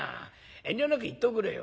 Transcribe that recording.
遠慮なく言っておくれよ。